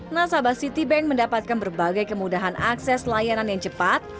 nasabah citibank mendapatkan berbagai kemudahan akses layanan yang cepat